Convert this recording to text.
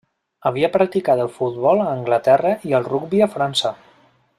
Havia practicat el futbol a Anglaterra i el rugbi a França.